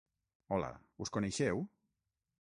Hola, us coneixeu?